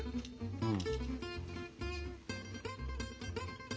うん。